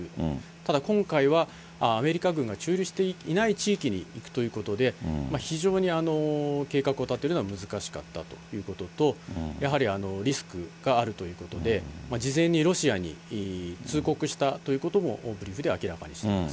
ただ今回は、アメリカ軍が駐留していない地域に行くということで、非常に計画を立てるのは難しかったということと、やはりリスクがあるということで、事前にロシアに通告したということもブリーフで明らかにしています。